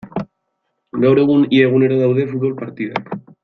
Gaur egun ia egunero daude futbol partidak.